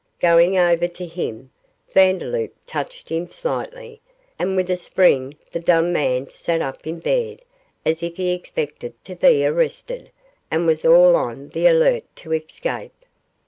Going over to him, Vandeloup touched him slightly, and with a spring the dumb man sat up in bed as if he expected to be arrested, and was all on the alert to escape.